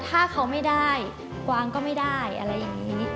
ถ้าเขาไม่ได้วางก็ไม่ได้อะไรอย่างนี้